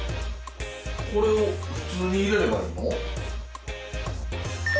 これを普通に入れればええの？